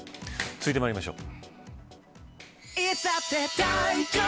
続いてまいりましょう。